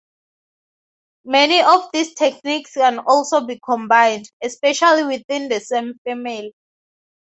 Many of these techniques can also be combined, especially within the same family.